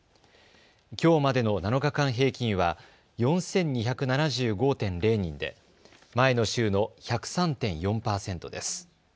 きょうまでの７日間平均は４２７５．０人で前の週の１０３．４％です。